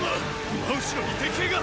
真後ろに敵兵が！